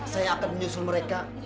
saya akan menyusul mereka